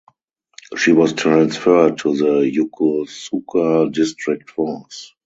She was transferred to the Yokosuka District Force.